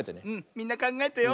みんなかんがえてよ。